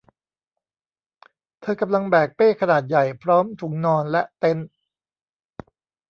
เธอกำลังแบกเป้ขนาดใหญ่พร้อมถุงนอนและเต็นท์